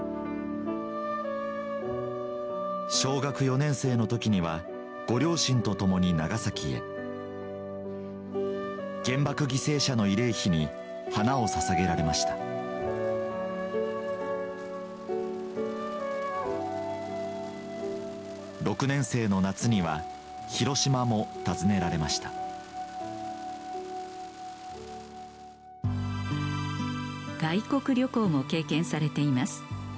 小学４年生の時にはご両親と共に長崎へ原爆犠牲者の慰霊碑に花をささげられました６年生の夏には広島も訪ねられました外国旅行も経験されています